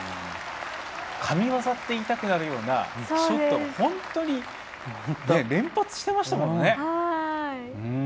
神技と言いたくなるようなショットを本当に連発していましたもんね。